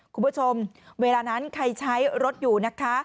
คุณผู้ชมเวลานั้นใครใช้รถอยู่นะคะ